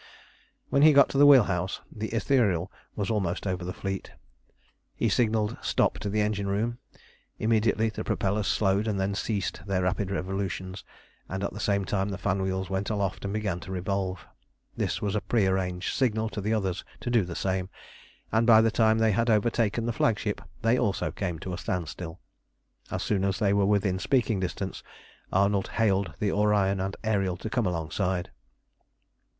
When he got to the wheel house the Ithuriel was almost over the fleet. He signalled "stop" to the engine room. Immediately the propellers slowed and then ceased their rapid revolutions, and at the same time the fan wheels went aloft and began to revolve. This was a prearranged signal to the others to do the same, and by the time they had overtaken the flagship they also came to a standstill. As soon as they were within speaking distance Arnold hailed the Orion and the Ariel to come alongside.